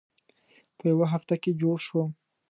په یوه هفته کې جوړ شوم.